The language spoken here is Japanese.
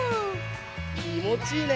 きもちいいね。ね！